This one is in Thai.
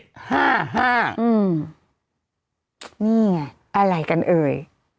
นี่ไงอะไรกันเอ่ย